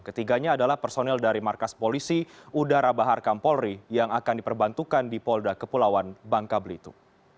ketiganya adalah personel dari markas polisi udara bahar kampolri yang akan diperbantukan di polda kepulauan bangka belitung